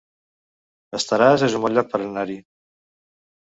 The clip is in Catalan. Estaràs es un bon lloc per anar-hi